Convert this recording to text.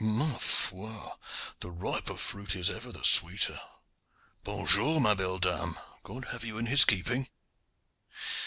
Ma foi! the riper fruit is ever the sweeter. Bon jour, ma belle dame! God have you in his keeping!